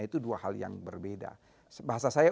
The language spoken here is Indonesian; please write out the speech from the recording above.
itu dua hal yang berbeda bahasa saya